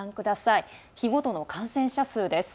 日ごとの感染者数です。